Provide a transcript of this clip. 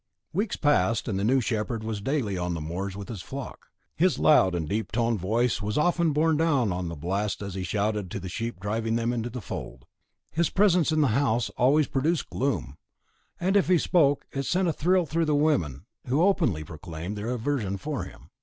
Weeks passed, and the new shepherd was daily on the moors with his flock; his loud and deep toned voice was often borne down on the blast as he shouted to the sheep driving them into fold. His presence in the house always produced gloom, and if he spoke it sent a thrill through the women, who openly proclaimed their aversion for him.